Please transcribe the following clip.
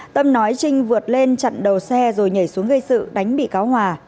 tâm nói trinh vượt lên chặn đầu xe rồi nhảy xuống gây sự đánh bị cáo hòa